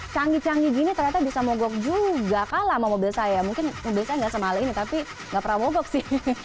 canggih canggih gini ternyata bisa mogok juga kalah sama mobil saya mungkin mobil saya nggak semahal ini tapi nggak pernah mogok sih